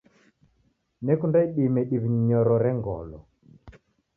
Nekunda idime diw'inyorore ngolo.